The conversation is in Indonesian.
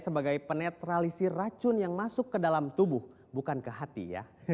sebagai penetralisi racun yang masuk ke dalam tubuh bukan ke hati ya